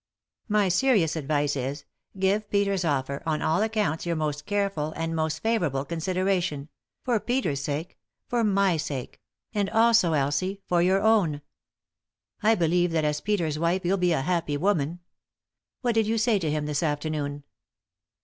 My serious advice is — give Peter's offer, on all accounts, your most careful, and most favourable, consideration — for Peter's sake, for my sake ; and also, Elsie, for your own. I believe that as Peter's wife you'll be a happy woman. What did you say to him this afternoon